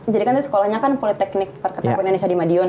jadi kan sekolahnya kan politeknik perkereta apian indonesia di madiun